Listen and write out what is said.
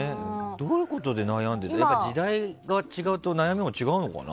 どういうことで悩んでて時代が違うと悩みも違うのかな？